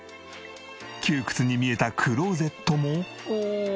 窮屈に見えたクローゼットも。